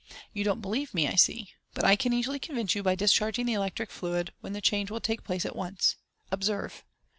You don't believe me, I see j but I can easily convince you by discharging the electric fluid, when the change will take place at once. Observe